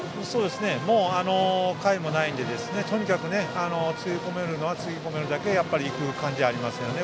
もう回もないのでつぎ込めるのはつぎ込めるだけいく感じがありますね。